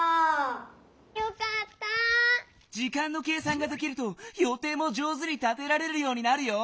時間の計算ができるとよていも上手に立てられるようになるよ。